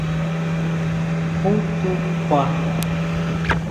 ¿Ju tsú kjua?